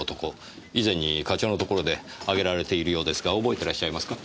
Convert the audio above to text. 以前に課長のところで挙げられているようですが覚えてらっしゃいますか？